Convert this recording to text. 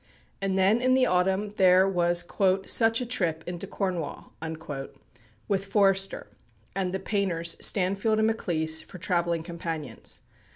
And then in the autumn there was "such a trip ... into Cornwall," with Forster, and the painters Stanfield and Maclise for travelling companions.